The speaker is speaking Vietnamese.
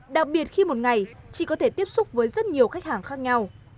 đặc biệt khi một ngày chị có thể tiếp xúc với rất nhiều khách hàng khác nhau